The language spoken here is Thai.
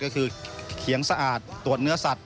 ก็คือเขียงสะอาดตรวจเนื้อสัตว